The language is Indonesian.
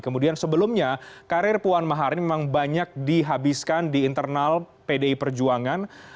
kemudian sebelumnya karir puan maharani memang banyak dihabiskan di internal pdi perjuangan